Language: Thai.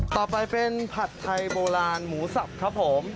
ต่อไปเป็นผัดไทยโบราณหมูสับครับผม